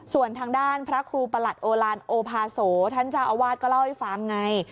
ส่วนทางด้านพระครูประหลัดโอลานโอภาโสท่านเจ้าอาวาสก็เล่าให้ฟังไง